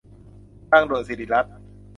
ทางด่วนศรีรัช